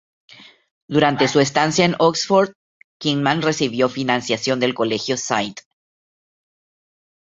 Durante su estancia en Oxford, Kingman recibió financiación del Colegio St.